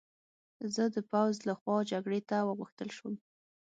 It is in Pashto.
زه د پوځ له خوا جګړې ته وغوښتل شوم